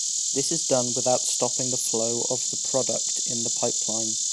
This is done without stopping the flow of the product in the pipeline.